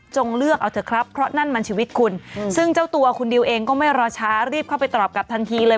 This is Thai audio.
เลือกเอาเถอะครับเพราะนั่นมันชีวิตคุณซึ่งเจ้าตัวคุณดิวเองก็ไม่รอช้ารีบเข้าไปตอบกลับทันทีเลย